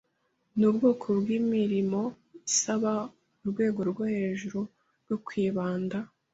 Nubwoko bwimirimo isaba urwego rwo hejuru rwo kwibanda.